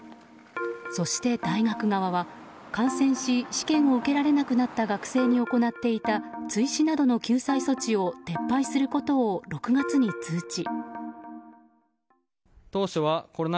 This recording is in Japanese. そして大学側は、感染し試験を受けられなくなった学生に行っていた追試などの救済措置を撤廃することを６月に通知。